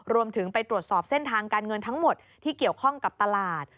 รวมถึงไปตรวจสอบเส้นทางการเงินทั้งหมดที่เกี่ยวข้องกับตลาด